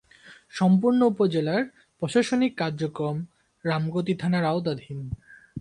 সম্পূর্ণ উপজেলার প্রশাসনিক কার্যক্রম রামগতি থানার আওতাধীন।